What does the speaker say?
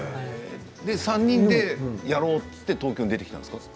３人でやろうと東京に出てきたんですか。